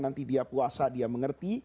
nanti dia puasa dia mengerti